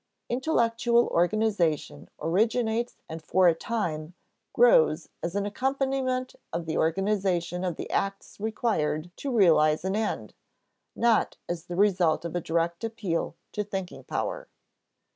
Intellectual organization originates and for a time grows as an accompaniment of the organization of the acts required to realize an end, not as the result of a direct appeal to thinking power.